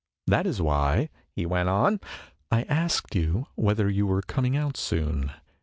" That is why," he went on, " I asked you whether you were coming out soon.